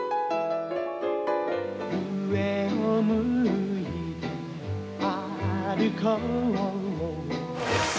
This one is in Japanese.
「上を向いて歩こう」